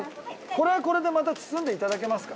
これこれでまた包んで頂けますか？